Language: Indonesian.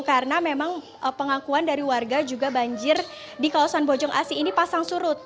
karena memang pengakuan dari warga juga banjir di kawasan bojong asi ini pasang surut